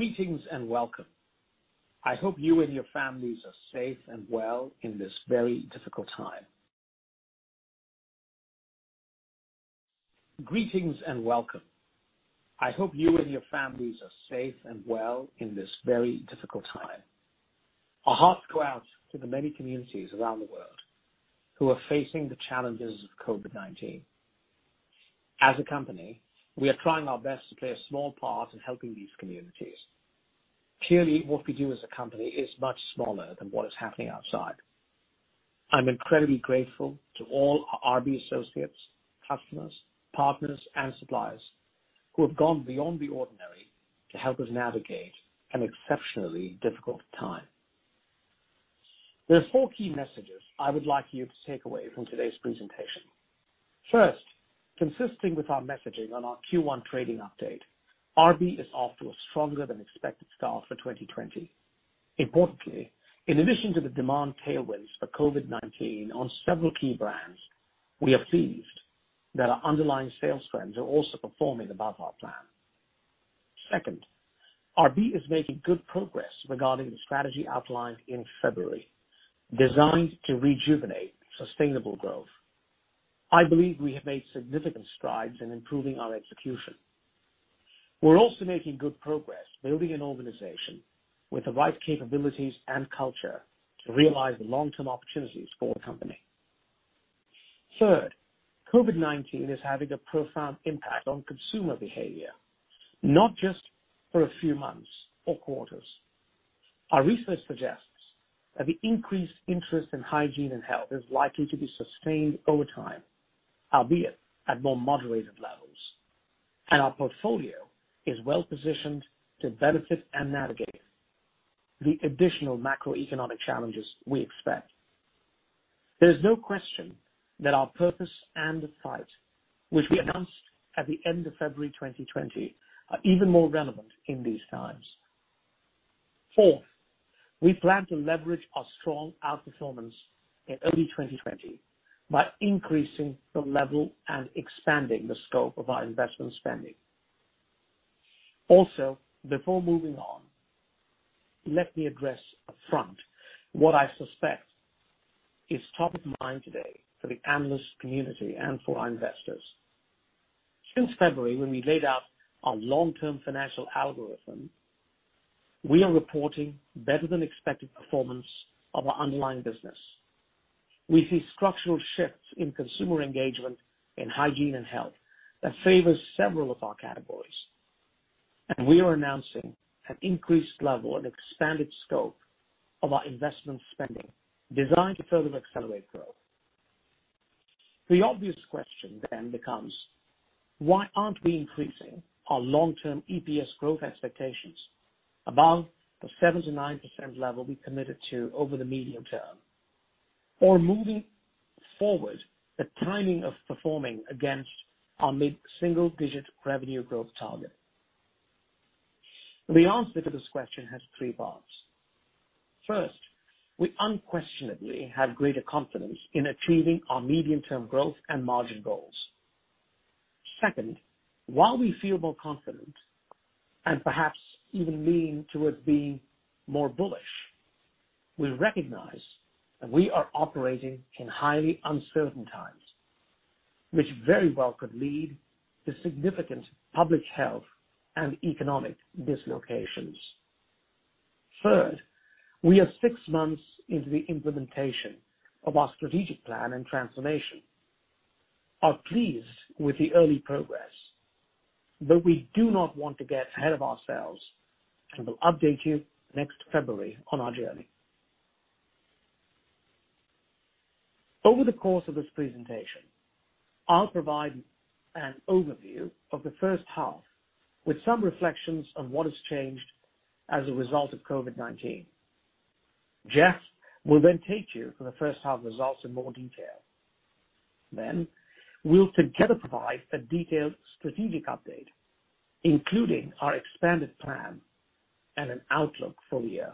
Greetings and welcome. I hope you and your families are safe and well in this very difficult time. Our hearts go out to the many communities around the world who are facing the challenges of COVID-19. As a company, we are trying our best to play a small part in helping these communities. Clearly, what we do as a company is much smaller than what is happening outside. I'm incredibly grateful to all our RB associates, customers, partners, and suppliers who have gone beyond the ordinary to help us navigate an exceptionally difficult time. There are four key messages I would like you to take away from today's presentation. First, consistent with our messaging on our Q1 trading update, RB is off to a stronger than expected start for 2020. Importantly, in addition to the demand tailwinds for COVID-19 on several key brands, we are pleased that our underlying sales trends are also performing above our plan. Second, RB is making good progress regarding the strategy outlined in February, designed to rejuvenate sustainable growth. I believe we have made significant strides in improving our execution. We're also making good progress building an organization with the right capabilities and culture to realize the long-term opportunities for the company. Third, COVID-19 is having a profound impact on consumer behavior, not just for a few months or quarters. Our research suggests that the increased interest in hygiene and health is likely to be sustained over time, albeit at more moderated levels, and our portfolio is well-positioned to benefit and navigate the additional macroeconomic challenges we expect. There is no question that our Purpose and the Fight, which we announced at the end of February 2020, are even more relevant in these times. Fourth, we plan to leverage our strong outperformance in early 2020 by increasing the level and expanding the scope of our investment spending. Before moving on, let me address upfront what I suspect is top of mind today for the analyst community and for our investors. Since February, when we laid out our long-term financial algorithm, we are reporting better than expected performance of our underlying business. We see structural shifts in consumer engagement in hygiene and health that favors several of our categories, and we are announcing an increased level and expanded scope of our investment spending designed to further accelerate growth. The obvious question becomes, why aren't we increasing our long-term EPS growth expectations above the 7%-9% level we committed to over the medium term? Moving forward, the timing of performing against our mid-single-digit revenue growth target. The answer to this question has three parts. First, we unquestionably have greater confidence in achieving our medium-term growth and margin goals. Second, while we feel more confident, and perhaps even leaning towards being more bullish, we recognize that we are operating in highly uncertain times, which very well could lead to significant public health and economic dislocations. Third, we are six months into the implementation of our strategic plan and transformation. We are pleased with the early progress, but we do not want to get ahead of ourselves, and will update you next February on our journey. Over the course of this presentation, I'll provide an overview of the first half with some reflections on what has changed as a result of COVID-19. Jeff will take you through the first half results in more detail. We'll together provide a detailed strategic update, including our expanded plan and an outlook for the year.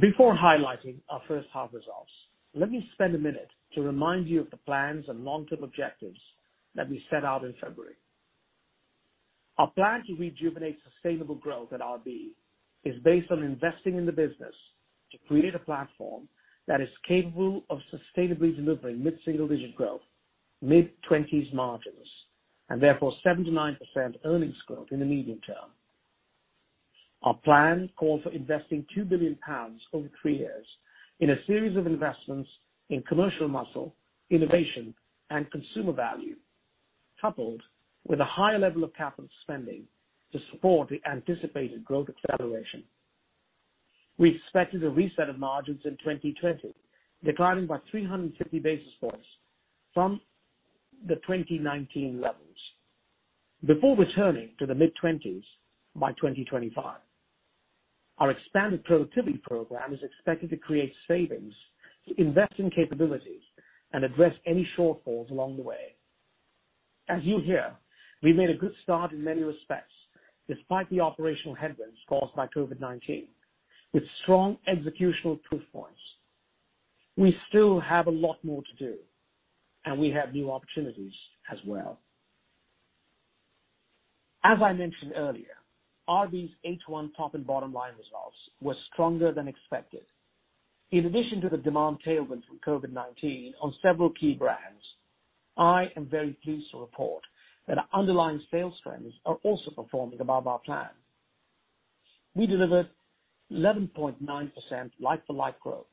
Before highlighting our first half results, let me spend a minute to remind you of the plans and long-term objectives that we set out in February. Our plan to rejuvenate sustainable growth at RB is based on investing in the business to create a platform that is capable of sustainably delivering mid-single-digit growth, mid-20s margins, and therefore 7%-9% earnings growth in the medium term. Our plan called for investing 2 billion pounds over three years in a series of investments in commercial muscle, innovation, and consumer value, coupled with a higher level of capital spending to support the anticipated growth acceleration. We expected a reset of margins in 2020, declining by 350 basis points from the 2019 levels before returning to the mid-20s by 2025. Our expanded productivity program is expected to create savings to invest in capabilities and address any shortfalls along the way. As you hear, we've made a good start in many respects, despite the operational headwinds caused by COVID-19, with strong executional proof points. We still have a lot more to do, and we have new opportunities as well. As I mentioned earlier, RB's H1 top and bottom line results were stronger than expected. In addition to the demand tailwind from COVID-19 on several key brands, I am very pleased to report that our underlying sales trends are also performing above our plan. We delivered 11.9% like-for-like growth,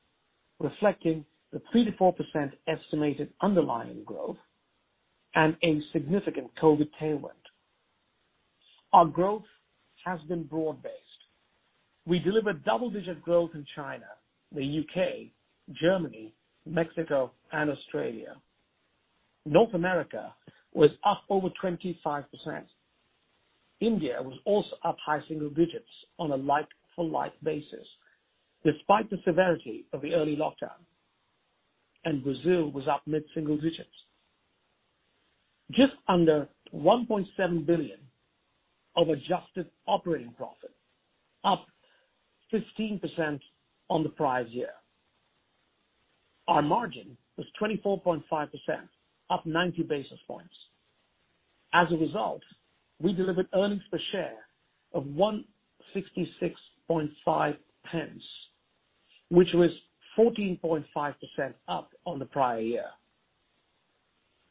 reflecting the 3%-4% estimated underlying growth and a significant COVID tailwind. Our growth has been broad-based. We delivered double-digit growth in China, the U.K., Germany, Mexico, and Australia. North America was up over 25%. India was also up high-single digits on a like-for-like basis, despite the severity of the early lockdown. Brazil was up mid-single digits. Just under 1.7 billion of adjusted operating profit, up 15% on the prior year. Our margin was 24.5%, up 90 basis points. As a result, we delivered earnings per share of 1.665, which was 14.5% up on the prior year.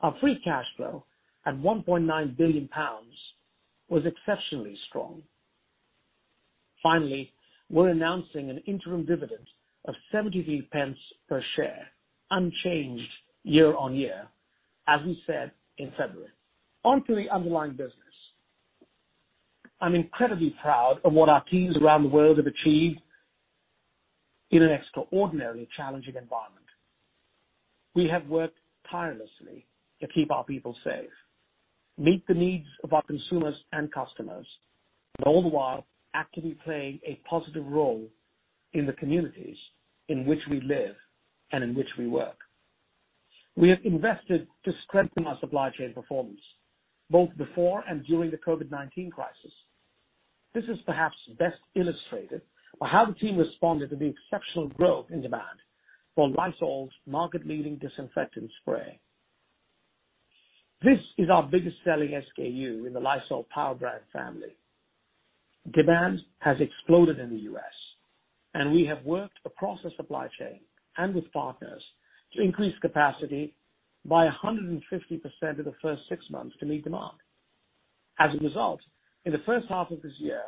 Our free cash flow at 1.9 billion pounds was exceptionally strong. Finally, we're announcing an interim dividend of 0.73 per share, unchanged year-on-year, as we said in February. Onto the underlying business. I'm incredibly proud of what our teams around the world have achieved in an extraordinarily challenging environment. We have worked tirelessly to keep our people safe, meet the needs of our consumers and customers, all the while, actively playing a positive role in the communities in which we live and in which we work. We have invested to strengthen our supply chain performance, both before and during the COVID-19 crisis. This is perhaps best illustrated by how the team responded to the exceptional growth in demand for Lysol's market-leading disinfectant spray. This is our biggest selling SKU in the Lysol power brand family. Demand has exploded in the U.S. We have worked across the supply chain and with partners to increase capacity by 150% in the first six months to meet demand. As a result, in the first half of this year,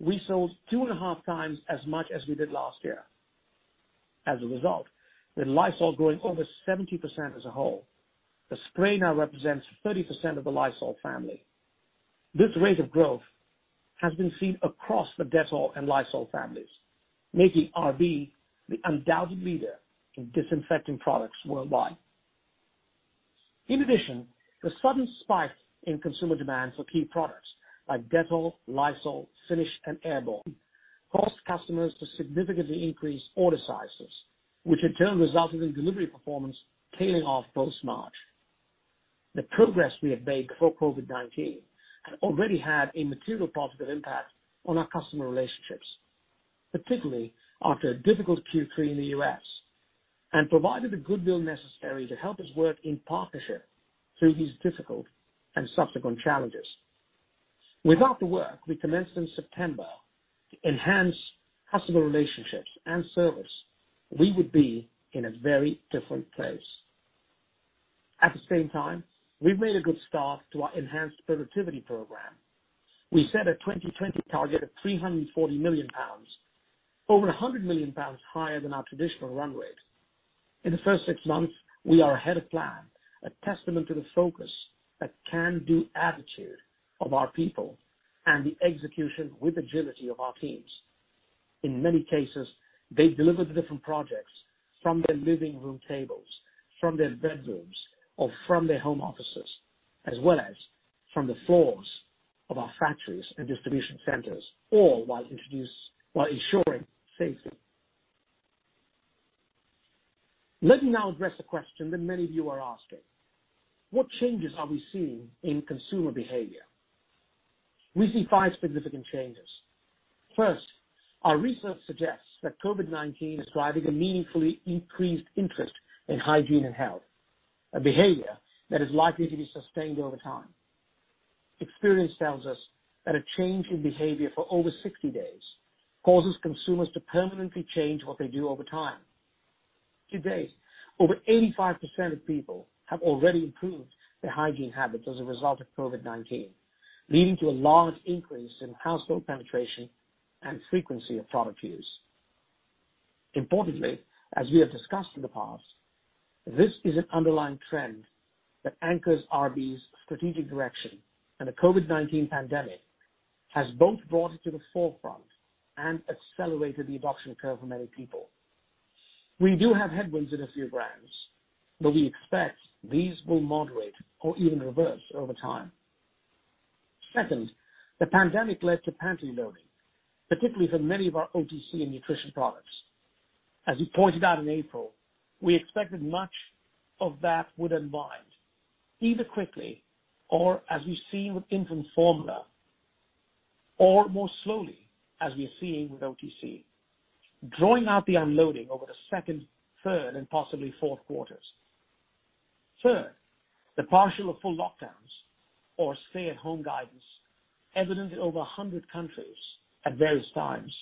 we sold two and a half times as much as we did last year. As a result, with Lysol growing over 70% as a whole, the spray now represents 30% of the Lysol family. This rate of growth has been seen across the Dettol and Lysol families, making RB the undoubted leader in disinfecting products worldwide. In addition, the sudden spike in consumer demand for key products like Dettol, Lysol, Finish, and Airborne caused customers to significantly increase order sizes, which in turn resulted in delivery performance tailing off post-March. The progress we had made before COVID-19 had already had a material positive impact on our customer relationships, particularly after a difficult Q3 in the U.S., and provided the goodwill necessary to help us work in partnership through these difficult and subsequent challenges. Without the work we commenced in September to enhance customer relationships and service, we would be in a very different place. At the same time, we've made a good start to our enhanced productivity program. We set a 2020 target of 340 million pounds, over 100 million pounds higher than our traditional run rate. In the first six months, we are ahead of plan, a testament to the focus, that can-do attitude of our people, and the execution with agility of our teams. In many cases, they delivered the different projects from their living room tables, from their bedrooms, or from their home offices, as well as from the floors of our factories and distribution centers, all while ensuring safety. Let me now address a question that many of you are asking: What changes are we seeing in consumer behavior? We see five significant changes. First, our research suggests that COVID-19 is driving a meaningfully increased interest in hygiene and health, a behavior that is likely to be sustained over time. Experience tells us that a change in behavior for over 60 days causes consumers to permanently change what they do over time. Today, over 85% of people have already improved their hygiene habits as a result of COVID-19, leading to a large increase in household penetration and frequency of product use. Importantly, as we have discussed in the past, this is an underlying trend that anchors RB's strategic direction, the COVID-19 pandemic has both brought it to the forefront and accelerated the adoption curve for many people. We do have headwinds in a few brands, we expect these will moderate or even reverse over time. Second, the pandemic led to pantry loading, particularly for many of our OTC and nutrition products. As we pointed out in April, we expected much of that would unwind either quickly or, as we've seen with infant formula, or more slowly, as we are seeing with OTC, drawing out the unloading over the second, third, and possibly fourth quarters. Third, the partial or full lockdowns or stay-at-home guidance evident in over 100 countries at various times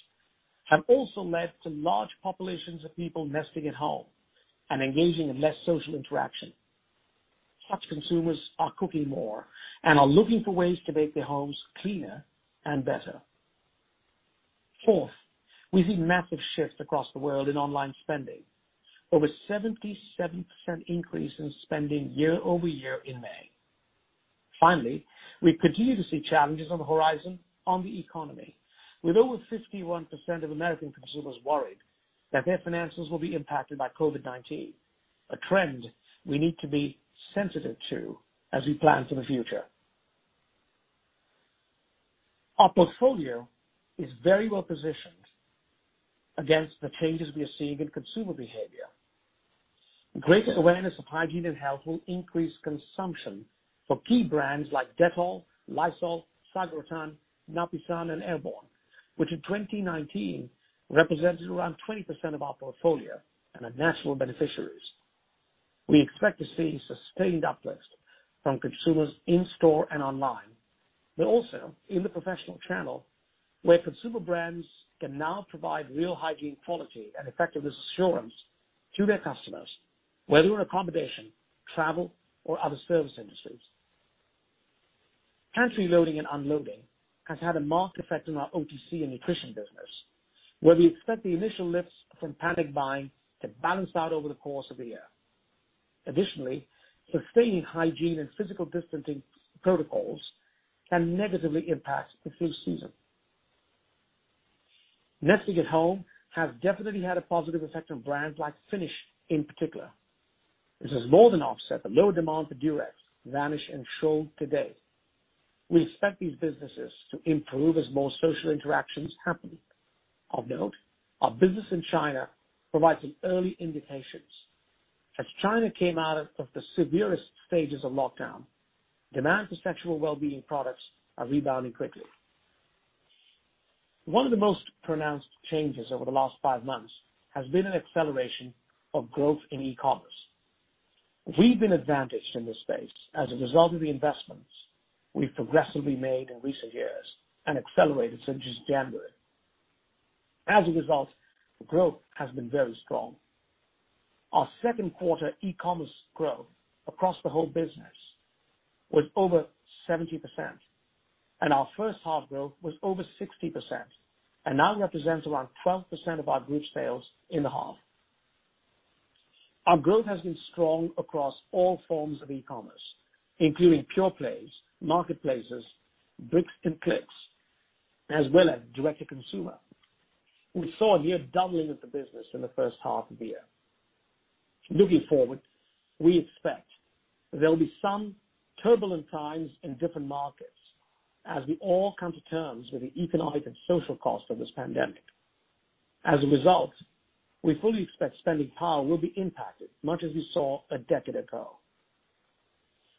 have also led to large populations of people nesting at home and engaging in less social interaction. Such consumers are cooking more and are looking for ways to make their homes cleaner and better. Fourth, we see massive shifts across the world in online spending, over 77% increase in spending year-over-year in May. Finally, we continue to see challenges on the horizon on the economy, with over 51% of American consumers worried that their financials will be impacted by COVID-19, a trend we need to be sensitive to as we plan for the future. Our portfolio is very well-positioned against the changes we are seeing in consumer behavior. Greater awareness of hygiene and health will increase consumption for key brands like Dettol, Lysol, Sagrotan, Napisan, and Airborne, which in 2019 represented around 20% of our portfolio and are natural beneficiaries. We expect to see sustained uplift from consumers in-store and online, but also in the professional channel, where consumer brands can now provide real hygiene quality and effectiveness assurance to their customers, whether in accommodation, travel, or other service industries. Pantry loading and unloading has had a marked effect on our OTC and nutrition business, where we expect the initial lifts from panic buying to balance out over the course of the year. Additionally, sustaining hygiene and physical distancing protocols can negatively impact the flu season. Nesting at home has definitely had a positive effect on brands like Finish in particular. This has more than offset the lower demand for Durex, Vanish, and Scholl today. We expect these businesses to improve as more social interactions happen. Of note, our business in China provides some early indications. As China came out of the severest stages of lockdown, demand for sexual wellbeing products are rebounding quickly. One of the most pronounced changes over the last five months has been an acceleration of growth in e-commerce. We've been advantaged in this space as a result of the investments we've progressively made in recent years and accelerated since January. As a result, growth has been very strong. Our second quarter e-commerce growth across the whole business was over 70%, and our first half growth was over 60% and now represents around 12% of our group sales in the half. Our growth has been strong across all forms of e-commerce, including pure plays, marketplaces, bricks and clicks, as well as direct to consumer. We saw a near doubling of the business in the first half of the year. Looking forward, we expect there'll be some turbulent times in different markets as we all come to terms with the economic and social cost of this pandemic. As a result, we fully expect spending power will be impacted, much as we saw a decade ago.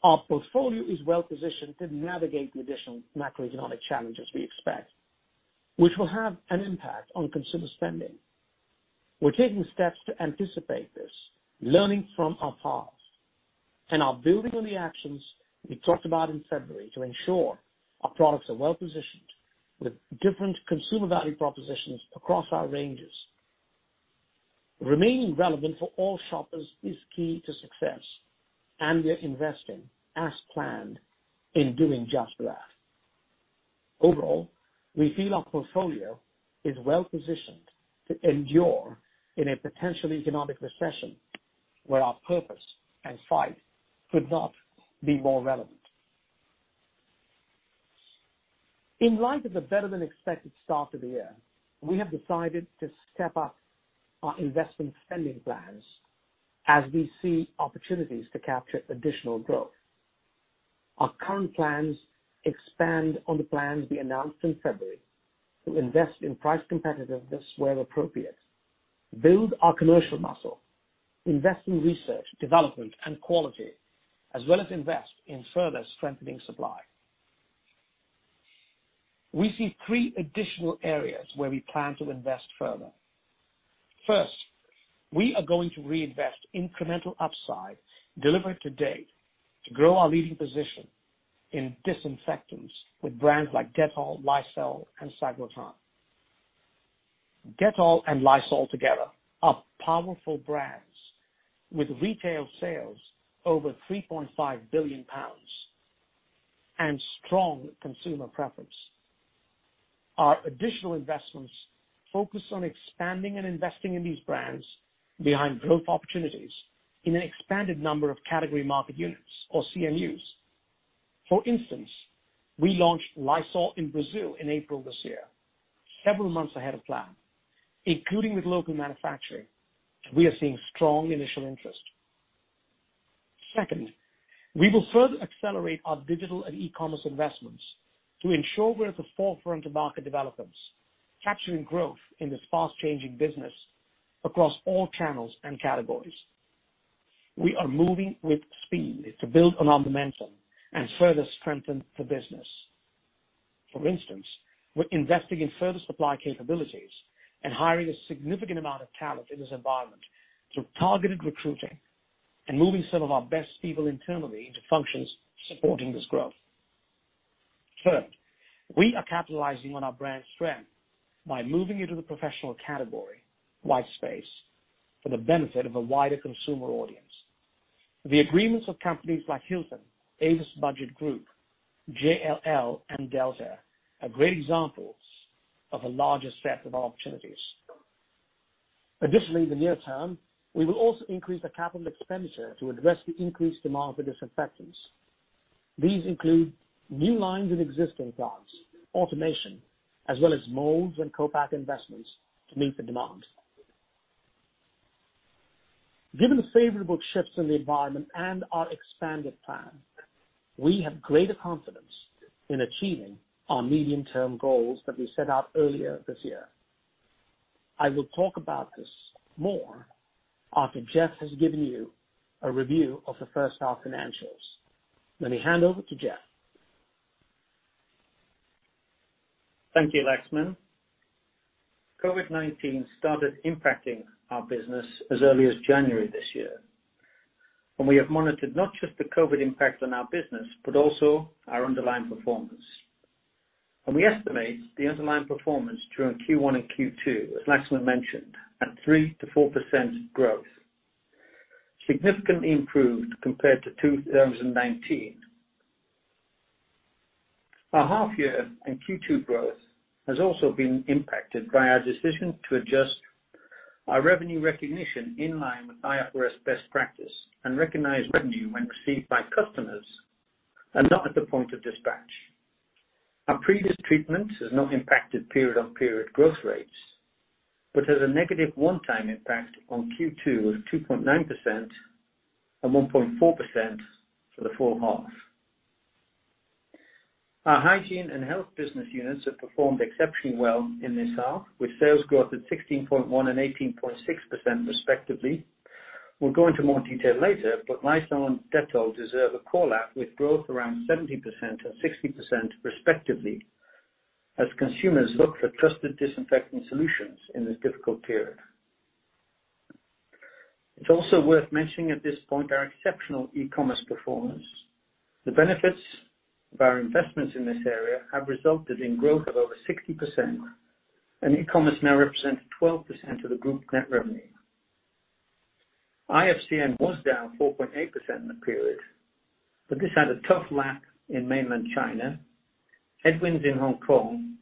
Our portfolio is well-positioned to navigate the additional macroeconomic challenges we expect, which will have an impact on consumer spending. We're taking steps to anticipate this, learning from our past, and are building on the actions we talked about in February to ensure our products are well-positioned with different consumer value propositions across our ranges. Remaining relevant for all shoppers is key to success. We are investing as planned in doing just that. Overall, we feel our portfolio is well-positioned to endure in a potential economic recession where our purpose and fight could not be more relevant. In light of the better-than-expected start to the year, we have decided to step up our investment spending plans as we see opportunities to capture additional growth. Our current plans expand on the plans we announced in February to invest in price competitiveness where appropriate, build our commercial muscle, invest in research, development, and quality, as well as invest in further strengthening supply. We see three additional areas where we plan to invest further. First, we are going to reinvest incremental upside delivered to date to grow our leading position in disinfectants with brands like Dettol, Lysol, and Sagrotan. Dettol and Lysol together are powerful brands with retail sales over 3.5 billion pounds and strong consumer preference. Our additional investments focus on expanding and investing in these brands behind growth opportunities in an expanded number of category market units or CMUs. For instance, we launched Lysol in Brazil in April this year, several months ahead of plan. Including with local manufacturing, we are seeing strong initial interest. Second, we will further accelerate our digital and e-commerce investments to ensure we're at the forefront of market developments, capturing growth in this fast-changing business across all channels and categories. We are moving with speed to build on our momentum and further strengthen the business. For instance, we're investing in further supply capabilities and hiring a significant amount of talent in this environment through targeted recruiting and moving some of our best people internally into functions supporting this growth. Third, we are capitalizing on our brand strength by moving into the professional category, white space, for the benefit of a wider consumer audience. The agreements of companies like Hilton, Avis Budget Group, JLL, and Delta are great examples of a larger set of our opportunities. Additionally, in the near term, we will also increase the capital expenditure to address the increased demand for disinfectants. These include new lines in existing plants, automation, as well as molds and co-pack investments to meet the demand. Given the favorable shifts in the environment and our expanded plan, we have greater confidence in achieving our medium-term goals that we set out earlier this year. I will talk about this more after Jeff has given you a review of the first half financials. Let me hand over to Jeff. Thank you, Laxman. COVID-19 started impacting our business as early as January this year, and we have monitored not just the COVID impact on our business, but also our underlying performance. We estimate the underlying performance during Q1 and Q2, as Laxman mentioned, at 3%-4% growth, significantly improved compared to 2019. Our half year and Q2 growth has also been impacted by our decision to adjust our revenue recognition in line with IFRS best practice and recognize revenue when received by customers, and not at the point of dispatch. Our previous treatment has not impacted period-on-period growth rates, but has a negative one-time impact on Q2 of 2.9% and 1.4% for the full half. Our Hygiene and Health business units have performed exceptionally well in this half, with sales growth at 16.1% and 18.6% respectively. We'll go into more detail later, but Lysol and Dettol deserve a call-out with growth around 70% and 60% respectively, as consumers look for trusted disinfecting solutions in this difficult period. It's also worth mentioning at this point our exceptional e-commerce performance. The benefits of our investments in this area have resulted in growth of over 60%, and e-commerce now represents 12% of the group net revenue. IFCN was down 4.8% in the period, but this had a tough lap in mainland China, headwinds in Hong Kong,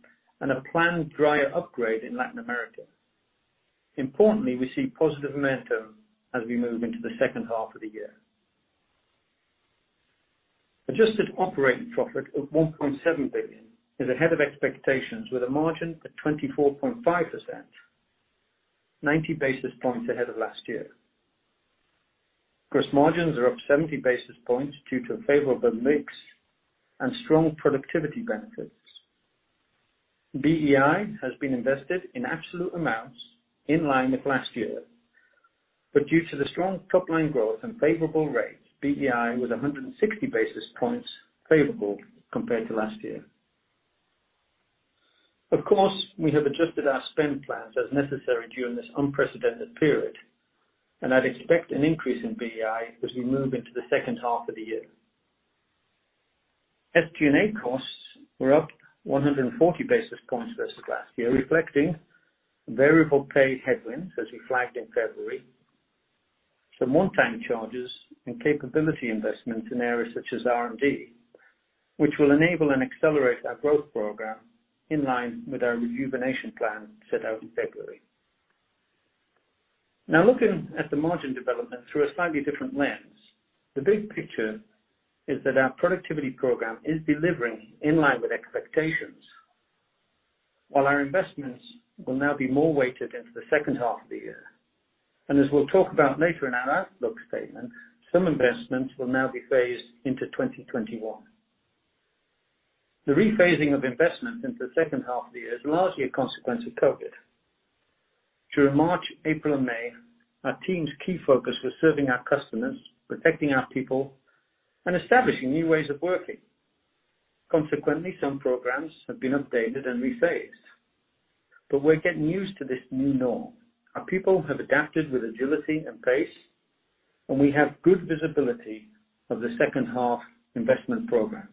and a planned dryer upgrade in Latin America. Importantly, we see positive momentum as we move into the second half of the year. Adjusted operating profit of 1.7 billion is ahead of expectations with a margin at 24.5%, 90 basis points ahead of last year. Gross margins are up 70 basis points due to a favorable mix and strong productivity benefits. BEI has been invested in absolute amounts in line with last year, but due to the strong top-line growth and favorable rates, BEI was 160 basis points favorable compared to last year. Of course, we have adjusted our spend plans as necessary during this unprecedented period. I'd expect an increase in BEI as we move into the second half of the year. SG&A costs were up 140 basis points versus last year, reflecting variable pay headwinds as we flagged in February, some one-time charges and capability investments in areas such as R&D, which will enable and accelerate our growth program in line with our rejuvenation plan set out in February. Now looking at the margin development through a slightly different lens, the big picture is that our productivity program is delivering in line with expectations. While our investments will now be more weighted into the second half of the year. As we'll talk about later in our outlook statement, some investments will now be phased into 2021. The rephasing of investment into the second half of the year is largely a consequence of COVID-19. During March, April, and May, our team's key focus was serving our customers, protecting our people, and establishing new ways of working. Consequently, some programs have been updated and rephased. We're getting used to this new norm. Our people have adapted with agility and pace, and we have good visibility of the second half investment programs.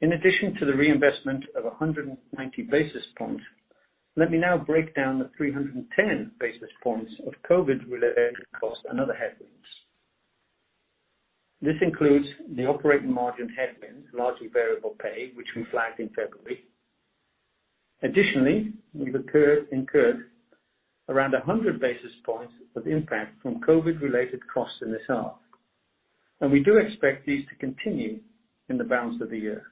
In addition to the reinvestment of 190 basis points, let me now break down the 310 basis points of COVID-related costs and other headwinds. This includes the operating margin headwinds, largely variable pay, which we flagged in February. We've incurred around 100 basis points of impact from COVID-related costs in this half. We do expect these to continue in the balance of the year.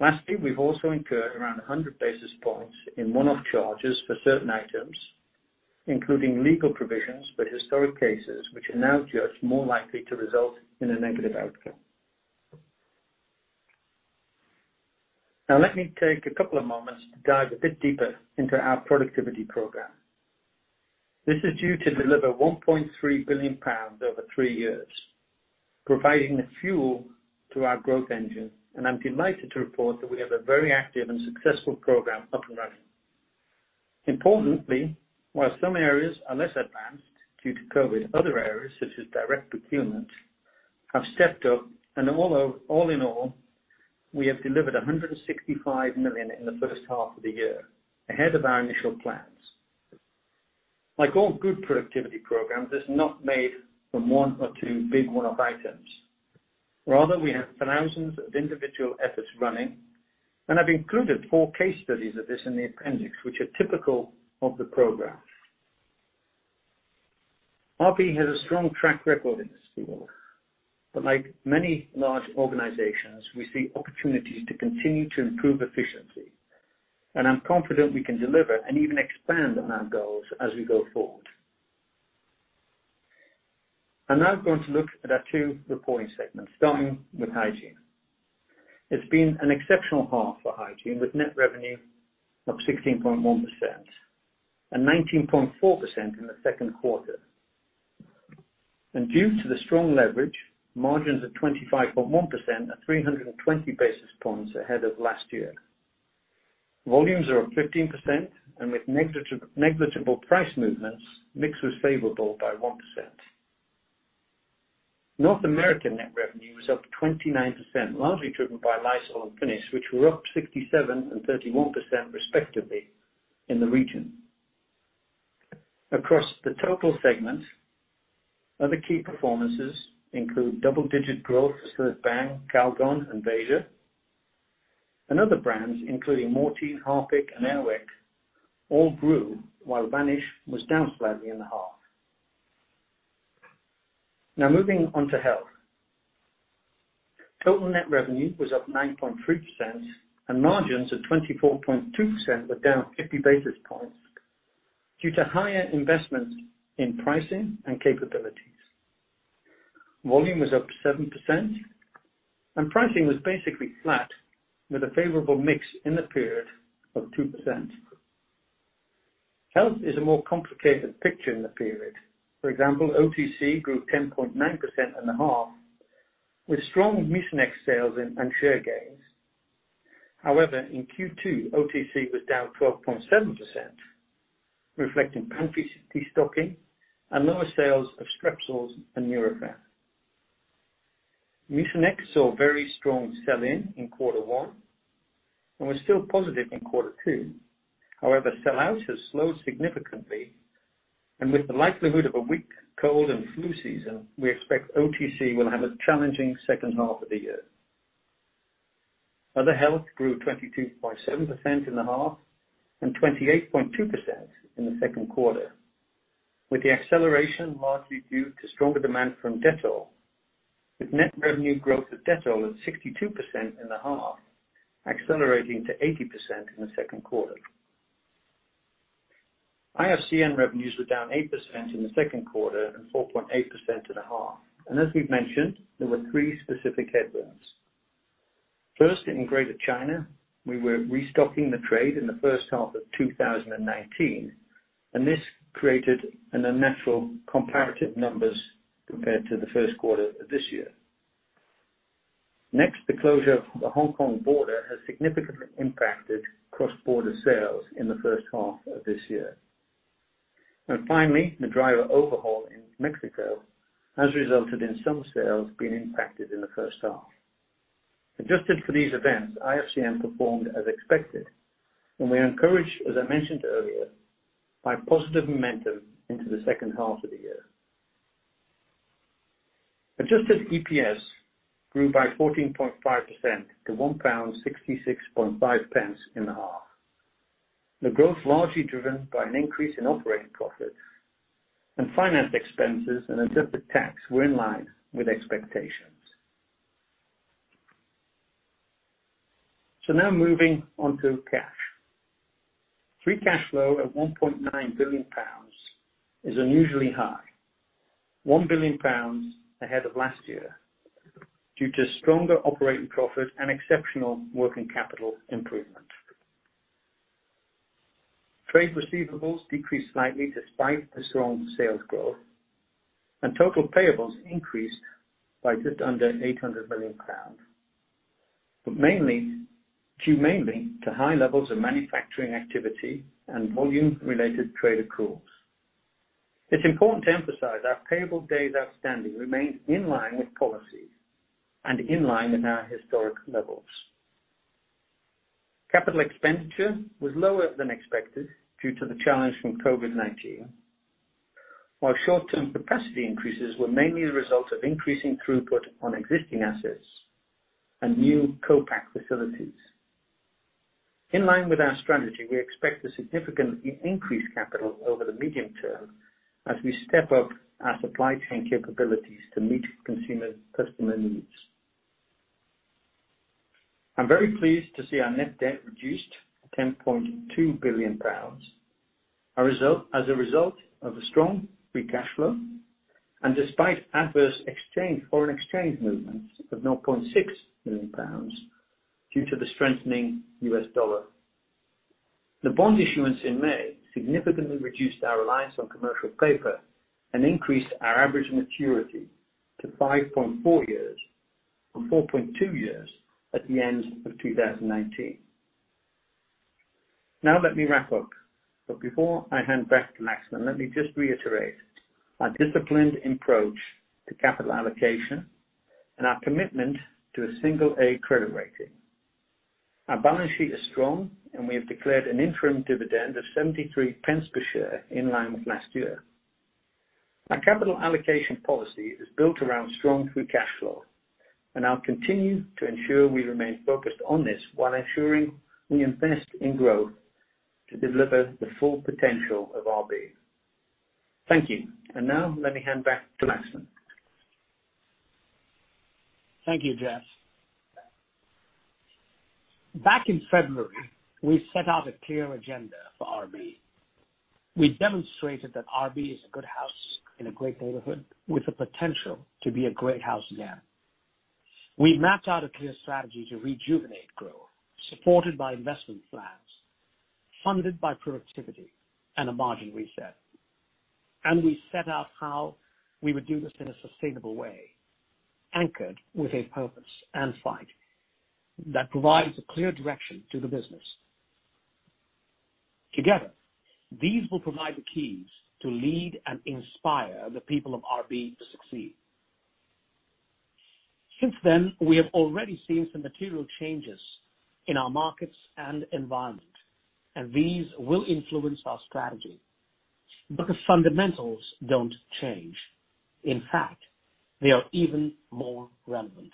Lastly, we've also incurred around 100 basis points in one-off charges for certain items, including legal provisions for historic cases, which are now judged more likely to result in a negative outcome. Let me take a couple of moments to dive a bit deeper into our productivity program. This is due to deliver 1.3 billion pounds over three years, providing the fuel to our growth engine. I'm delighted to report that we have a very active and successful program up and running. Importantly, while some areas are less advanced due to COVID-19, other areas, such as direct procurement, have stepped up. All in all, we have delivered 165 million in the first half of the year, ahead of our initial plans. Like all good productivity programs, it's not made from one or two big one-off items. Rather, we have thousands of individual efforts running, and I've included four case studies of this in the appendix, which are typical of the program. RB has a strong track record in this field, but like many large organizations, we see opportunities to continue to improve efficiency. I'm confident we can deliver and even expand on our goals as we go forward. I'm now going to look at our two reporting segments, starting with Hygiene. It's been an exceptional half for Hygiene, with net revenue of 16.1% and 19.4% in the second quarter. Due to the strong leverage, margins of 25.1% are 320 basis points ahead of last year. Volumes are up 15%, and with negligible price movements, mix was favorable by 1%. North American net revenue was up 29%, largely driven by Lysol and Finish, which were up 67% and 31% respectively in the region. Across the total segment, other key performances include double-digit growth for Cillit Bang, Calgon, and Veja. Other brands, including Mortein, Harpic, and Air Wick, all grew while Vanish was down slightly in the half. Now moving on to Health. Total net revenue was up 9.3%, and margins of 24.2% were down 50 basis points due to higher investments in pricing and capabilities. Volume was up 7%, and pricing was basically flat with a favorable mix in the period of 2%. Health is a more complicated picture in the period. For example, OTC grew 10.9% in the half, with strong Mucinex sales and share gains. In Q2, OTC was down 12.7%, reflecting pantry destocking and lower sales of Strepsils and Nurofen. Mucinex saw very strong sell-in in quarter one and was still positive in quarter two. Sell-outs have slowed significantly, and with the likelihood of a weak cold and flu season, we expect OTC will have a challenging second half of the year. Other health grew 22.7% in the half and 28.2% in the second quarter, with the acceleration largely due to stronger demand from Dettol, with net revenue growth of Dettol at 62% in the half, accelerating to 80% in the second quarter. IFCN revenues were down 8% in the second quarter and 4.8% at a half. As we've mentioned, there were three specific headwinds. First, in Greater China, we were restocking the trade in the first half of 2019, and this created an unnatural comparative numbers compared to the first quarter of this year. Next, the closure of the Hong Kong border has significantly impacted cross-border sales in the first half of this year. Finally, the dryer upgrade in Mexico has resulted in some sales being impacted in the first half. Adjusted for these events, IFCN performed as expected, and we are encouraged, as I mentioned earlier, by positive momentum into the second half of the year. Adjusted EPS grew by 14.5% to 1.665 pound in the half. The growth largely driven by an increase in operating profit and finance expenses and adjusted tax were in line with expectations. Now moving on to cash. Free cash flow of 1.9 billion pounds is unusually high, 1 billion pounds ahead of last year due to stronger operating profit and exceptional working capital improvement. Trade receivables decreased slightly despite the strong sales growth, and total payables increased by just under 800 million pounds, due mainly to high levels of manufacturing activity and volume-related trade accruals. It's important to emphasize our payable days outstanding remain in line with policy and in line with our historic levels. Capital expenditure was lower than expected due to the challenge from COVID-19. While short-term capacity increases were mainly a result of increasing throughput on existing assets and new co-pack facilities. In line with our strategy, we expect to significantly increase capital over the medium term as we step up our supply chain capabilities to meet consumer-customer needs. I'm very pleased to see our net debt reduced to 10.2 billion pounds as a result of the strong free cash flow and despite adverse foreign exchange movements of 9.6 million pounds due to the strengthening U.S. dollar. The bond issuance in May significantly reduced our reliance on commercial paper and increased our average maturity to 5.4 years from 4.2 years at the end of 2019. Now let me wrap up. Before I hand back to Laxman, let me just reiterate our disciplined approach to capital allocation and our commitment to a single-A credit rating. Our balance sheet is strong. We have declared an interim dividend of 0.73 per share, in line with last year. Our capital allocation policy is built around strong free cash flow. I'll continue to ensure we remain focused on this while ensuring we invest in growth to deliver the full potential of RB. Thank you. Now let me hand back to Laxman. Thank you, Jeff. Back in February, we set out a clear agenda for RB. We demonstrated that RB is a good house in a great neighborhood with the potential to be a great house again. We mapped out a clear strategy to rejuvenate growth, supported by investment plans, funded by productivity and a margin reset. We set out how we would do this in a sustainable way, anchored with a purpose and fight that provides a clear direction to the business. Together, these will provide the keys to lead and inspire the people of RB to succeed. Since then, we have already seen some material changes in our markets and environment, and these will influence our strategy because fundamentals don't change. In fact, they are even more relevant.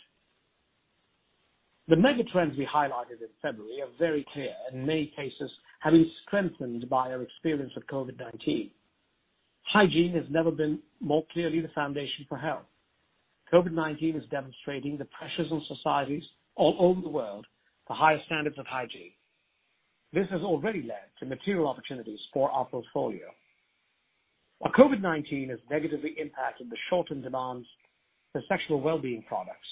The mega trends we highlighted in February are very clear, in many cases, having strengthened by our experience with COVID-19. Hygiene has never been more clearly the foundation for health. COVID-19 is demonstrating the pressures on societies all over the world for higher standards of hygiene. This has already led to material opportunities for our portfolio. While COVID-19 has negatively impacted the short-term demands for sexual wellbeing products,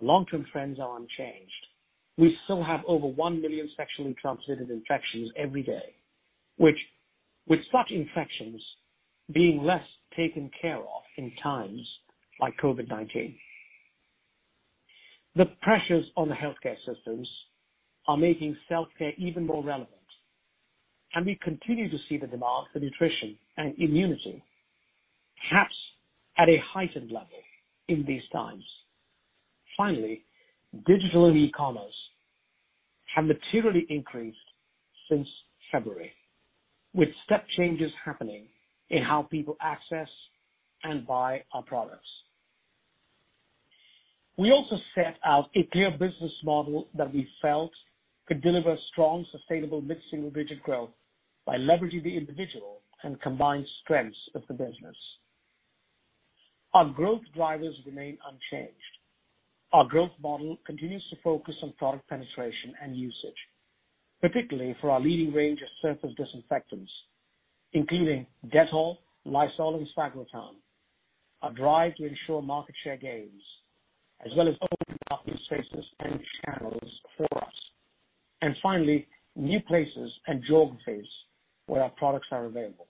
the long-term trends are unchanged. We still have over 1 million sexually transmitted infections every day, with such infections being less taken care of in times like COVID-19. The pressures on the healthcare systems are making self-care even more relevant, and we continue to see the demand for nutrition and immunity, perhaps at a heightened level in these times. Finally, digital and e-commerce have materially increased since February, with step changes happening in how people access and buy our products. We also set out a clear business model that we felt could deliver strong, sustainable, mid-single-digit growth by leveraging the individual and combined strengths of the business. Our growth drivers remain unchanged. Our growth model continues to focus on product penetration and usage, particularly for our leading range of surface disinfectants, including Dettol, Lysol, and Sagrotan, our drive to ensure market share gains, as well as opening up new spaces and channels for us. Finally, new places and geographies where our products are available.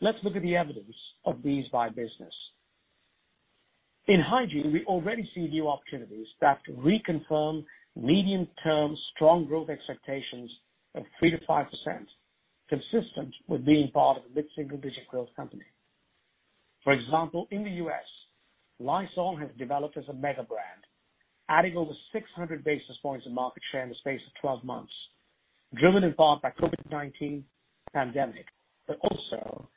Let's look at the evidence of these by business. In hygiene, we already see new opportunities that reconfirm medium-term strong growth expectations of 3%-5%, consistent with being part of a mid-single digit growth company. For example, in the U.S., Lysol has developed as a mega brand, adding over 600 basis points of market share in the space of 12 months, driven in part by COVID-19, also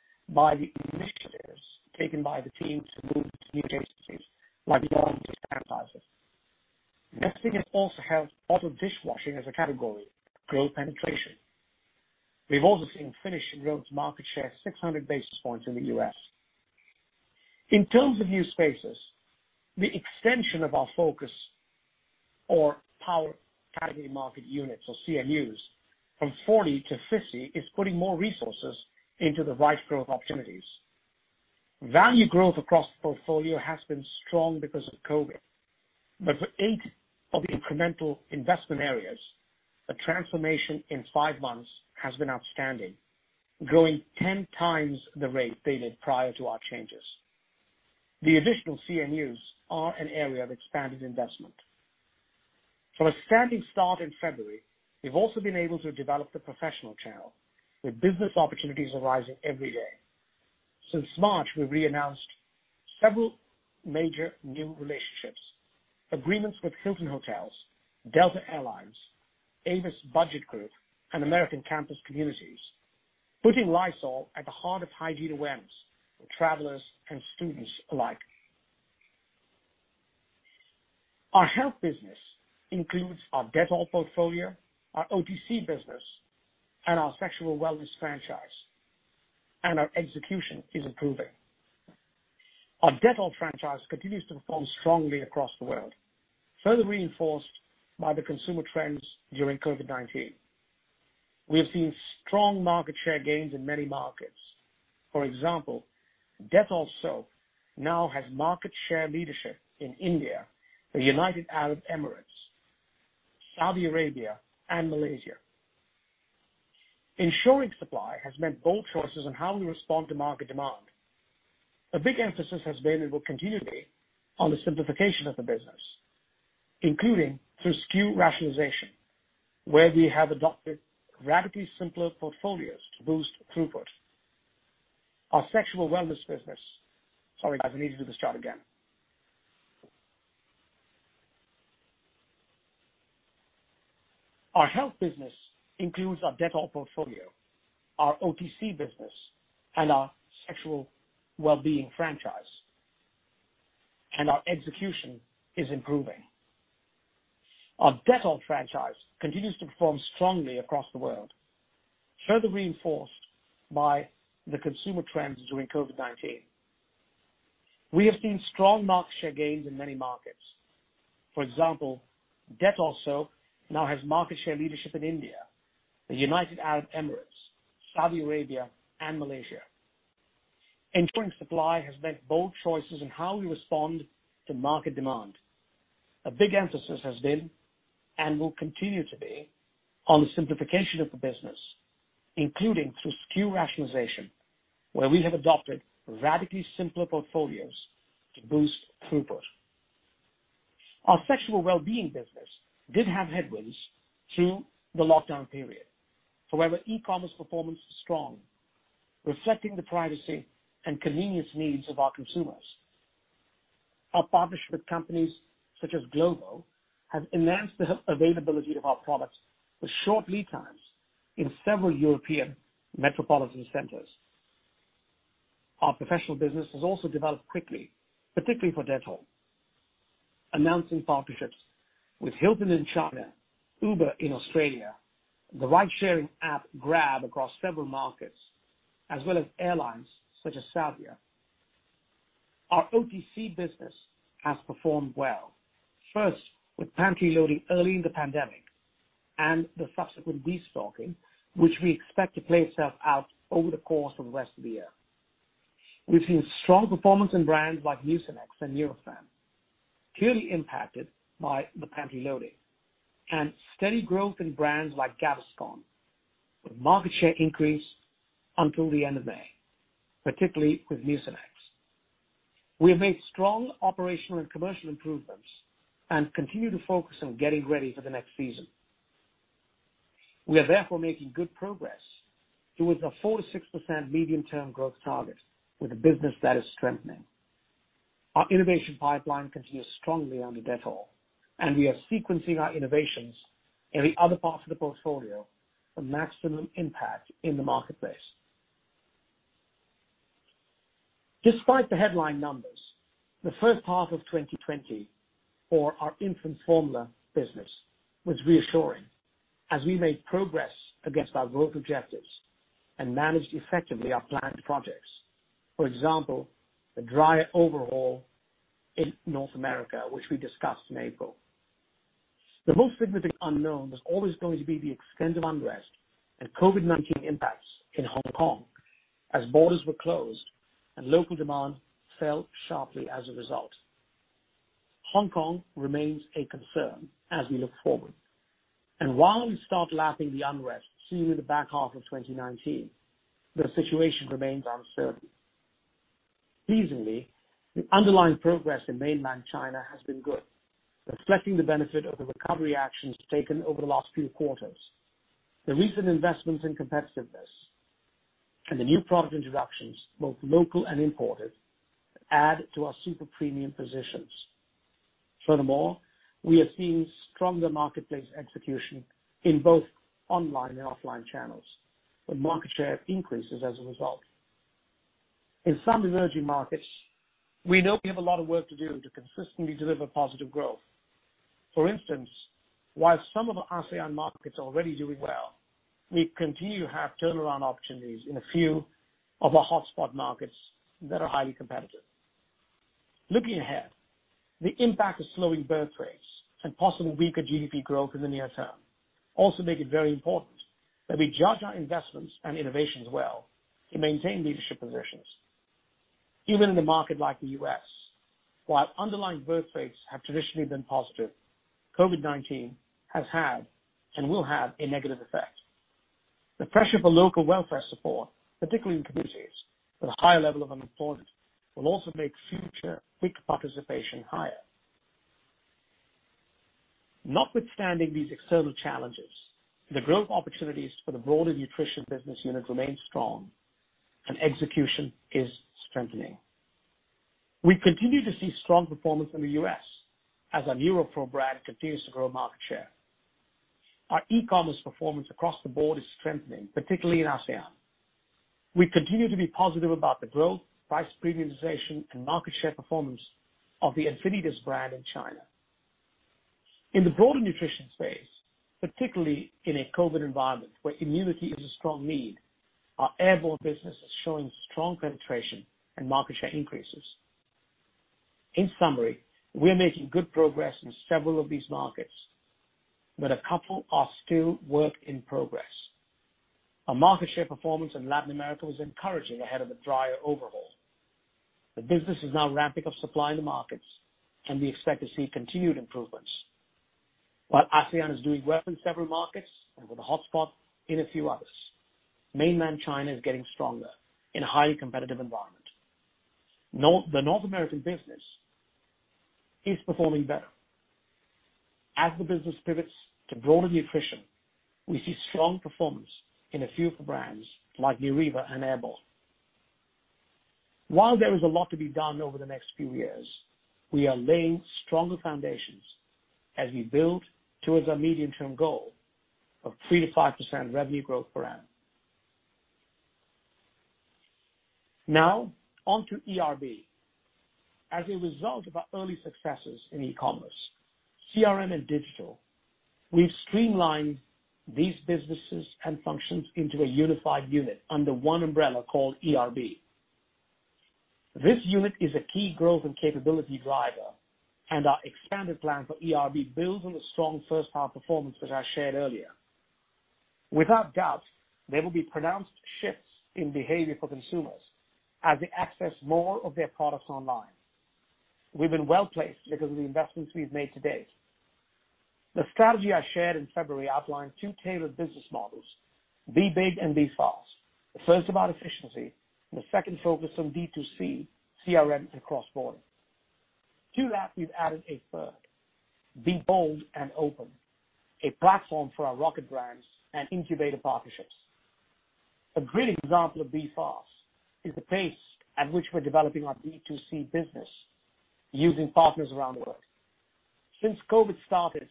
by the initiatives taken by the team to move to new adjacencies like laundry sanitizers. Finish has also helped auto dishwashing as a category grow penetration. We've also seen Finish grow its market share 600 basis points in the U.S. In terms of new spaces, the extension of our focus or power category market units or CMUs from 40-50 is putting more resources into the right growth opportunities. Value growth across the portfolio has been strong because of COVID, for eight of the incremental investment areas, the transformation in five months has been outstanding, growing ten times the rate they did prior to our changes. The additional CMUs are an area of expanded investment. From a standing start in February, we've also been able to develop the professional channel with business opportunities arising every day. Since March, we've reannounced several major new relationships, agreements with Hilton Hotels, Delta Air Lines, Avis Budget Group, and American Campus Communities, putting Lysol at the heart of hygiene awareness for travelers and students alike. Our health business includes our Dettol portfolio, our OTC business, and our sexual wellness franchise, and our execution is improving. Our Dettol franchise continues to perform strongly across the world, further reinforced by the consumer trends during COVID-19. We have seen strong market share gains in many markets. For example, Dettol Soap now has market share leadership in India, the United Arab Emirates, Saudi Arabia, and Malaysia. Ensuring supply has meant bold choices on how we respond to market demand. A big emphasis has been, and will continue to be, on the simplification of the business, including through SKU rationalization, where we have adopted radically simpler portfolios to boost throughput. Our sexual wellness business Sorry, guys, I need to do this chart again. Our health business includes our Dettol portfolio, our OTC business, and our sexual wellbeing franchise, and our execution is improving. Our Dettol franchise continues to perform strongly across the world, further reinforced by the consumer trends during COVID-19. We have seen strong market share gains in many markets. For example, Dettol Soap now has market share leadership in India, the United Arab Emirates, Saudi Arabia, and Malaysia. Ensuring supply has meant bold choices in how we respond to market demand. A big emphasis has been, and will continue to be, on the simplification of the business, including through SKU rationalization, where we have adopted radically simpler portfolios to boost throughput. Our sexual wellbeing business did have headwinds through the lockdown period. However, e-commerce performance was strong, reflecting the privacy and convenience needs of our consumers. Our partnership with companies such as Glovo has enhanced the availability of our products with short lead times in several European metropolitan centers. Our professional business has also developed quickly, particularly for Dettol, announcing partnerships with Hilton in China, Uber in Australia, the ridesharing app Grab across several markets, as well as airlines such as Saudia. Our OTC business has performed well, first with pantry loading early in the pandemic and the subsequent restocking, which we expect to play itself out over the course of the rest of the year. We've seen strong performance in brands like Mucinex and Nurofen, clearly impacted by the pantry loading, and steady growth in brands like Gaviscon, with market share increase until the end of May, particularly with Mucinex. We have made strong operational and commercial improvements and continue to focus on getting ready for the next season. We are therefore making good progress towards our 4%-6% medium-term growth target with a business that is strengthening. Our innovation pipeline continues strongly under Dettol, and we are sequencing our innovations in the other parts of the portfolio for maximum impact in the marketplace. Despite the headline numbers, the first half of 2020 for our infant formula business was reassuring as we made progress against our growth objectives and managed effectively our planned projects, for example, the dryer overhaul in North America, which we discussed in April. The most significant unknown was always going to be the extent of unrest and COVID-19 impacts in Hong Kong as borders were closed and local demand fell sharply as a result. Hong Kong remains a concern as we look forward, and while we start lapping the unrest seen in the back half of 2019, the situation remains uncertain. Pleasingly, the underlying progress in mainland China has been good, reflecting the benefit of the recovery actions taken over the last few quarters. The recent investments in competitiveness and the new product introductions, both local and imported, add to our super premium positions. Furthermore, we have seen stronger marketplace execution in both online and offline channels, with market share increases as a result. In some emerging markets, we know we have a lot of work to do to consistently deliver positive growth. For instance, while some of our ASEAN markets are already doing well, we continue to have turnaround opportunities in a few of our hotspot markets that are highly competitive. Looking ahead, the impact of slowing birth rates and possible weaker GDP growth in the near term also make it very important that we judge our investments and innovations well to maintain leadership positions. Even in a market like the U.S., while underlying birth rates have traditionally been positive, COVID-19 has had and will have a negative effect. The pressure for local welfare support, particularly in communities with a higher level of unemployment, will also make future WIC participation higher. Notwithstanding these external challenges, the growth opportunities for the broader Nutrition business unit remain strong, and execution is strengthening. We continue to see strong performance in the U.S. as our NeuroPro brand continues to grow market share. Our e-commerce performance across the board is strengthening, particularly in ASEAN. We continue to be positive about the growth, price premiumization, and market share performance of the Enfinitas brand in China. In the broader nutrition space, particularly in a COVID environment where immunity is a strong need, our Airborne business is showing strong penetration and market share increases. In summary, we are making good progress in several of these markets, but a couple are still work in progress. Our market share performance in Latin America was encouraging ahead of a dryer upgrade. The business is now ramping up supply in the markets, and we expect to see continued improvements. While ASEAN is doing well in several markets and with a hotspot in a few others, mainland China is getting stronger in a highly competitive environment. The North American business is performing better. As the business pivots to broader nutrition, we see strong performance in a few of the brands like Neuriva and Airborne. While there is a lot to be done over the next few years, we are laying stronger foundations as we build towards our medium-term goal of 3%-5% revenue growth per annum. On to eRB. As a result of our early successes in e-commerce, CRM, and digital, we've streamlined these businesses and functions into a unified unit under one umbrella called eRB. This unit is a key growth and capability driver, our expanded plan for eRB builds on the strong first half performance that I shared earlier. Without doubt, there will be pronounced shifts in behavior for consumers as they access more of their products online. We've been well-placed because of the investments we've made to date. The strategy I shared in February outlined two tailored business models, Be Big and Be Fast, the first about efficiency and the second focused on D2C, CRM, and cross-border. To that, we've added a third, Be Bold and Open, a platform for our rocket brands and incubator partnerships. A great example of Be Fast is the pace at which we're developing our B2C business using partners around the world. Since COVID started,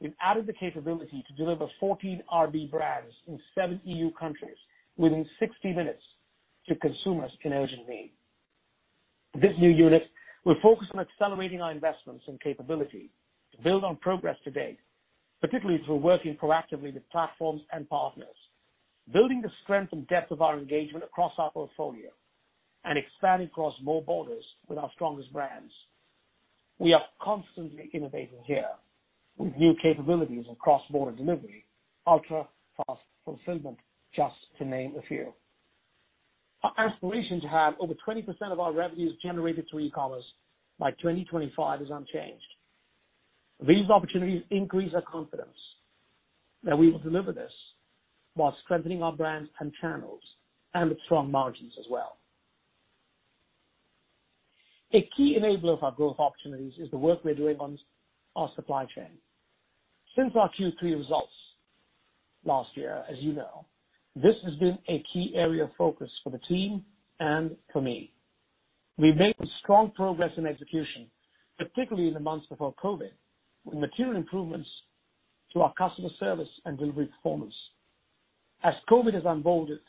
we've added the capability to deliver 14 RB brands in seven EU countries within 60 minutes to consumers in urgent need. This new unit will focus on accelerating our investments and capability to build on progress to date, particularly through working proactively with platforms and partners, building the strength and depth of our engagement across our portfolio, and expanding across more borders with our strongest brands. We are constantly innovating here with new capabilities in cross-border delivery, ultra-fast fulfillment, just to name a few. Our aspiration to have over 20% of our revenues generated through e-commerce by 2025 is unchanged. These opportunities increase our confidence that we will deliver this while strengthening our brands and channels and with strong margins as well. A key enabler of our growth opportunities is the work we are doing on our supply chain. Since our Q3 results last year, as you know, this has been a key area of focus for the team and for me. We've made strong progress in execution, particularly in the months before COVID, with material improvements to our customer service and delivery performance. As COVID has unfolded.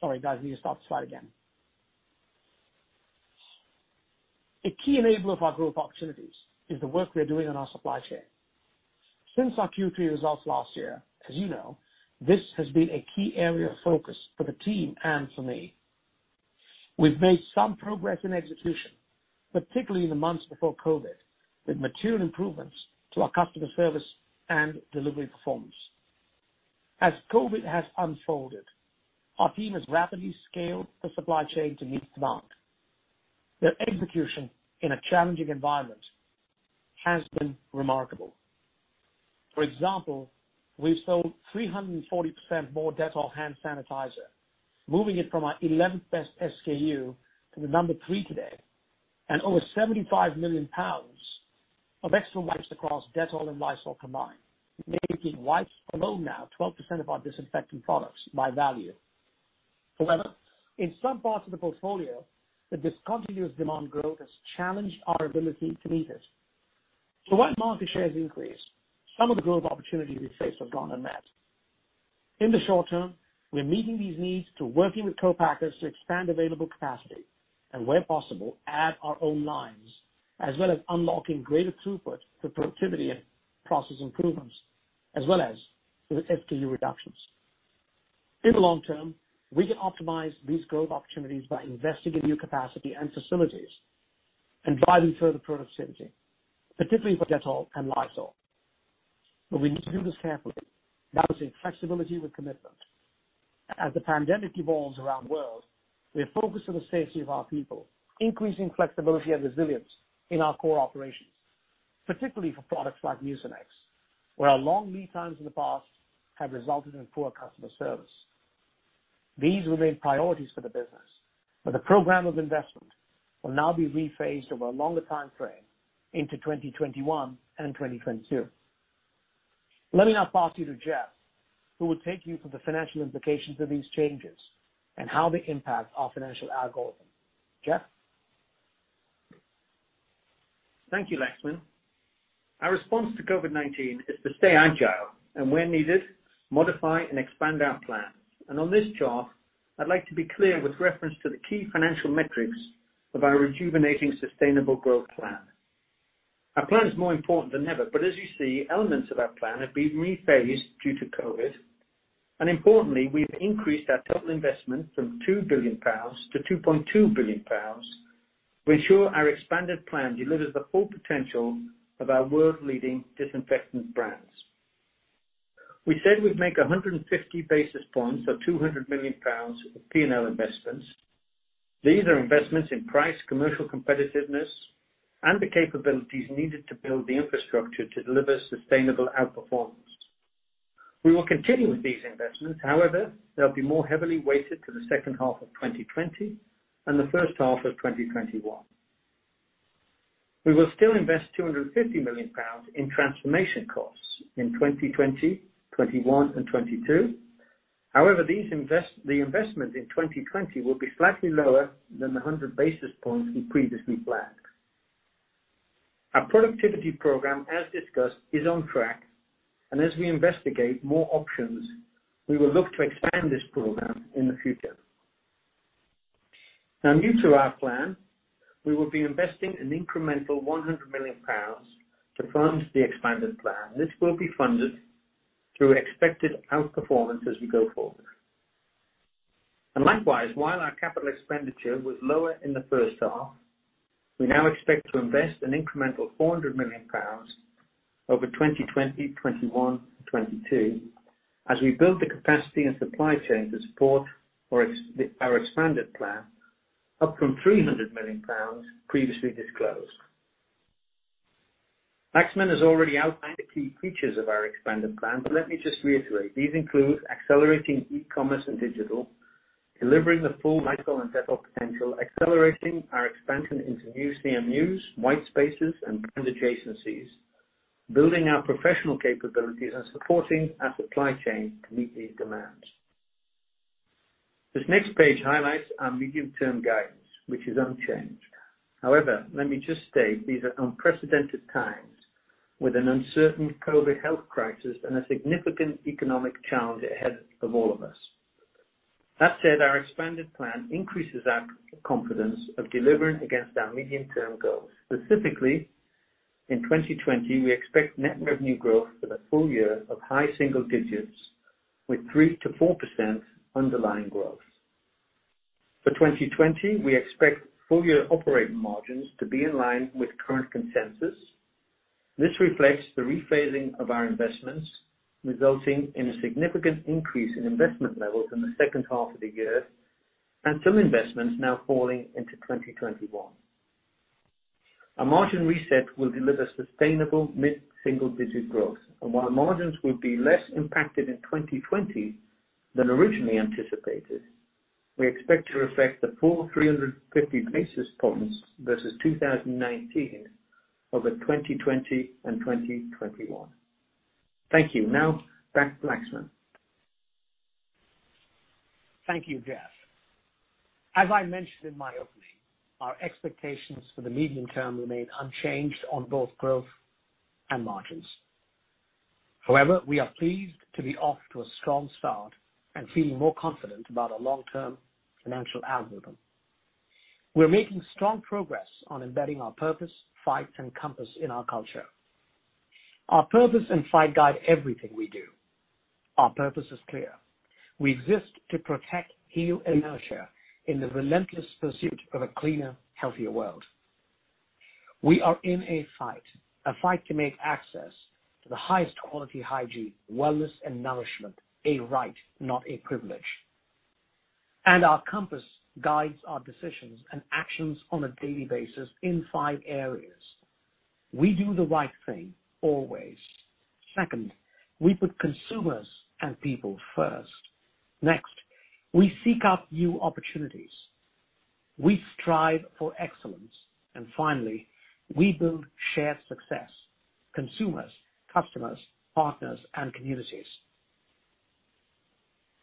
Sorry, guys, we need to start the slide again. A key enabler of our growth opportunities is the work we are doing on our supply chain. Since our Q3 results last year, as you know, this has been a key area of focus for the team and for me. We've made some progress in execution, particularly in the months before COVID, with material improvements to our customer service and delivery performance. As COVID has unfolded, our team has rapidly scaled the supply chain to meet demand. Their execution in a challenging environment has been remarkable. For example, we've sold 340% more Dettol hand sanitizer, moving it from our 11th best SKU to the number three today, and over 75 million lbs of extra wipes across Dettol and Lysol combined, making wipes alone now 12% of our disinfecting products by value. However, in some parts of the portfolio, the discontinuous demand growth has challenged our ability to meet it. While market share has increased, some of the growth opportunities we face have gone unmet. In the short term, we are meeting these needs through working with co-packers to expand available capacity and where possible, add our own lines, as well as unlocking greater throughput through productivity and process improvements, as well as with SKU reductions. In the long term, we can optimize these growth opportunities by investing in new capacity and facilities and driving further productivity, particularly for Dettol and Lysol. We need to do this carefully, balancing flexibility with commitment. As the pandemic evolves around the world, we are focused on the safety of our people, increasing flexibility and resilience in our core operations, particularly for products like Mucinex, where our long lead times in the past have resulted in poor customer service. These remain priorities for the business, the program of investment will now be rephased over a longer timeframe into 2021 and 2022. Let me now pass you to Jeff, who will take you through the financial implications of these changes and how they impact our financial algorithm. Jeff? Thank you, Laxman. Our response to COVID-19 is to stay agile and where needed, modify and expand our plan. On this chart, I'd like to be clear with reference to the key financial metrics of our Rejuvenating Sustainable Growth plan. Our plan is more important than ever, but as you see, elements of our plan have been rephased due to COVID. Importantly, we've increased our total investment from 2 billion pounds to 2.2 billion pounds, to ensure our expanded plan delivers the full potential of our world-leading disinfectant brands. We said we'd make 150 basis points, or 200 million pounds of P&L investments. These are investments in price, commercial competitiveness, and the capabilities needed to build the infrastructure to deliver sustainable outperformance. We will continue with these investments. However, they'll be more heavily weighted to the second half of 2020 and the first half of 2021. We will still invest 250 million pounds in transformation costs in 2020, 2021, and 2022. The investment in 2020 will be slightly lower than the 100 basis points we previously planned. Our productivity program, as discussed, is on track, and as we investigate more options, we will look to expand this program in the future. New to our plan, we will be investing an incremental 100 million pounds to fund the expanded plan. This will be funded through expected outperformance as we go forward. Likewise, while our capital expenditure was lower in the first half, we now expect to invest an incremental 400 million pounds over 2020, 2021, 2022, as we build the capacity and supply chain to support our expanded plan, up from 300 million pounds previously disclosed. Laxman has already outlined the key features of our expanded plan, let me just reiterate. These include accelerating e-commerce and digital, delivering the full Lysol and Dettol potential, accelerating our expansion into new CMUs, white spaces, and brand adjacencies, building our professional capabilities, and supporting our supply chain to meet these demands. This next page highlights our medium-term guidance, which is unchanged. Let me just state, these are unprecedented times, with an uncertain COVID health crisis and a significant economic challenge ahead of all of us. That said, our expanded plan increases our confidence of delivering against our medium-term goals. Specifically, in 2020, we expect net revenue growth for the full year of high-single digits, with 3%-4% underlying growth. For 2020, we expect full-year operating margins to be in line with current consensus. This reflects the rephasing of our investments, resulting in a significant increase in investment levels in the second half of the year, and some investments now falling into 2021. Our margin reset will deliver sustainable mid-single-digit growth. While margins will be less impacted in 2020 than originally anticipated, we expect to reflect the full 350 basis points versus 2019 over 2020 and 2021. Thank you. Now back to Laxman. Thank you, Jeff. As I mentioned in my opening, our expectations for the medium term remain unchanged on both growth and margins. We are pleased to be off to a strong start and feeling more confident about our long-term financial algorithm. We are making strong progress on embedding our Purpose, Fight, and Compass in our culture. Our purpose and fight guide everything we do. Our purpose is clear. We exist to protect, heal, and nurture in the relentless pursuit of a cleaner, healthier world. We are in a fight, a fight to make access to the highest quality hygiene, wellness, and nourishment a right, not a privilege. Our compass guides our decisions and actions on a daily basis in five areas. We do the right thing always. Second, we put consumers and people first. Next, we seek out new opportunities. We strive for excellence. Finally, we build shared success, consumers, customers, partners, and communities.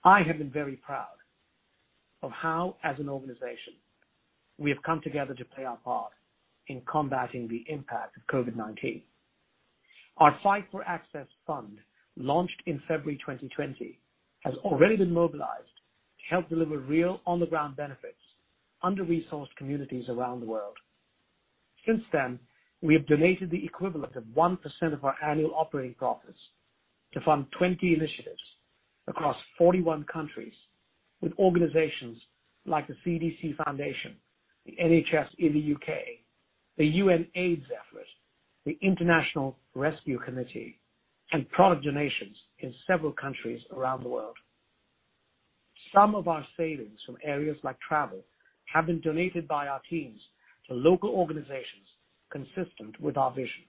I have been very proud of how, as an organization, we have come together to play our part in combating the impact of COVID-19. Our Fight for Access Fund, launched in February 2020, has already been mobilized to help deliver real on-the-ground benefits, under-resourced communities around the world. Since then, we have donated the equivalent of 1% of our annual operating profits to fund 20 initiatives across 41 countries with organizations like the CDC Foundation, the NHS in the U.K., the UNAIDS effort, the International Rescue Committee, and product donations in several countries around the world. Some of our savings from areas like travel have been donated by our teams to local organizations consistent with our vision.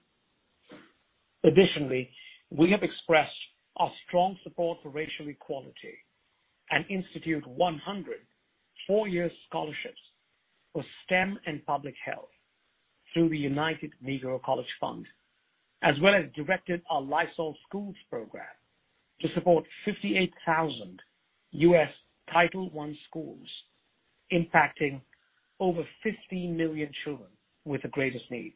We have expressed our strong support for racial equality and institute 100 four-year scholarships for STEM and public health through the United Negro College Fund, as well as directed our Lysol Schools Program to support 58,000 U.S. Title I schools impacting over 50 million children with the greatest needs.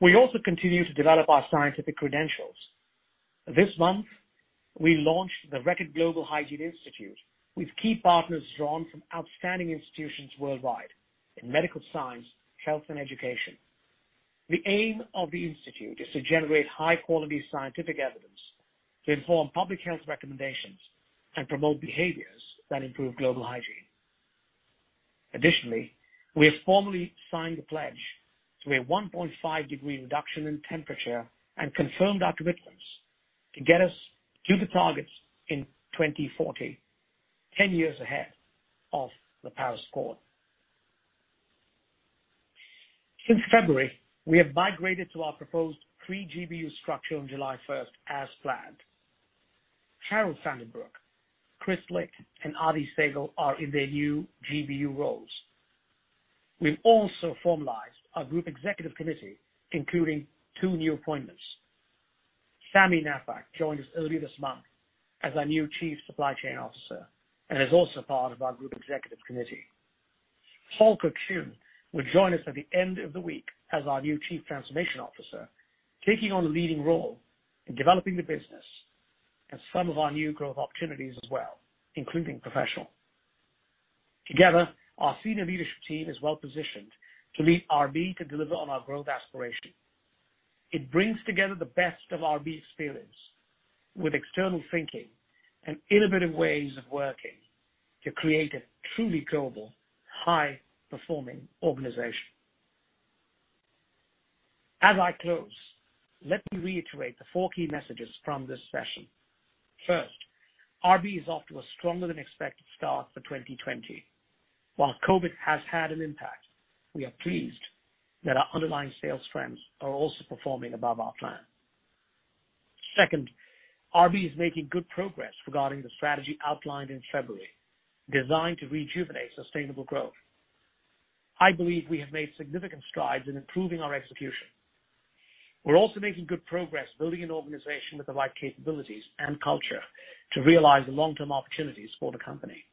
We also continue to develop our scientific credentials. This month, we launched the Reckitt Global Hygiene Institute with key partners drawn from outstanding institutions worldwide in medical science, health, and education. The aim of the institute is to generate high-quality scientific evidence to inform public health recommendations and promote behaviors that improve global hygiene. We have formally signed a pledge to a 1.5 degree reduction in temperature and confirmed our commitments to get us to the targets in 2040, 10 years ahead of the Paris Accord. Since February, we have migrated to our proposed three GBU structure on July 1st as planned. Harold van den Broek, Kris Licht, and Adi Sehgal are in their new GBU roles. We've also formalized our group executive committee, including two new appointments. Sami Naffakh joined us earlier this month as our new Chief Supply Chain Officer and is also part of our group executive committee. Volker Kuhn will join us at the end of the week as our new Chief Transformation Officer, taking on a leading role in developing the business and some of our new growth opportunities as well, including professional. Together, our senior leadership team is well-positioned to lead RB to deliver on our growth aspiration. It brings together the best of RB experience with external thinking and innovative ways of working to create a truly global, high-performing organization. As I close, let me reiterate the four key messages from this session. First, RB is off to a stronger-than-expected start for 2020. While COVID has had an impact, we are pleased that our underlying sales trends are also performing above our plan. Second, RB is making good progress regarding the strategy outlined in February, designed to rejuvenate sustainable growth. I believe we have made significant strides in improving our execution. We're also making good progress building an organization with the right capabilities and culture to realize the long-term opportunities for the company.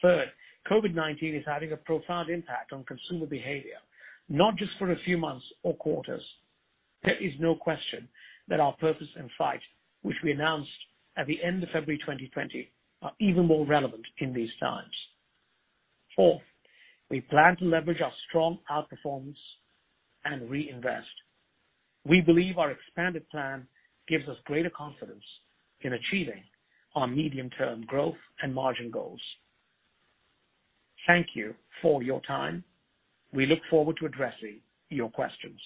Third, COVID-19 is having a profound impact on consumer behavior, not just for a few months or quarters. There is no question that our purpose and fight, which we announced at the end of February 2020, are even more relevant in these times. Four, we plan to leverage our strong outperformance and reinvest. We believe our expanded plan gives us greater confidence in achieving our medium-term growth and margin goals. Thank you for your time. We look forward to addressing your questions.